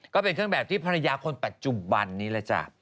ก็เป็นเครื่องแบบที่ภรรยาคนปัจจุบันนี้เลยจ้ะ